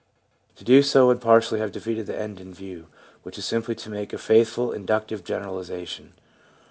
To do so would partially have defeated the end in view, which is simply to make a faithful inductive generalisation.